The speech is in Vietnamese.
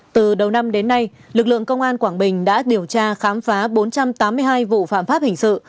từ đầu năm đến nay lực lượng công an quảng bình đã điều tra khám phá bốn trăm tám mươi hai vụ phạm pháp hình sự